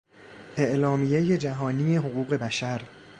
اعلامیهی جهانی حقوق بشر